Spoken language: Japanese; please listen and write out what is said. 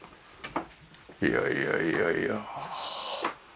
いやいやいやいや。